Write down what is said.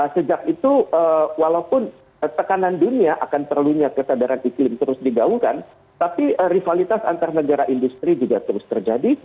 sejak itu walaupun tekanan dunia akan perlunya kesadaran iklim terus digaungkan tapi rivalitas antar negara industri juga terus terjadi